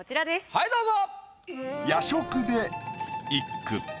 はいどうぞ。